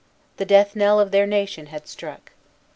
The death knell of their nation had struck.